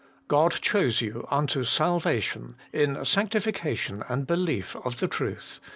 God chose you unto salvation in sanctif cation and belief of the Truth.'